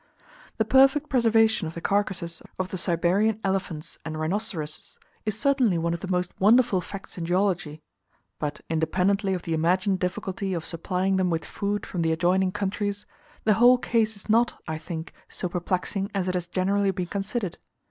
The perfect preservation of the carcasses of the Siberian elephants and rhinoceroses is certainly one of the most wonderful facts in geology; but independently of the imagined difficulty of supplying them with food from the adjoining countries, the whole case is not, I think, so perplexing as it has generally been considered.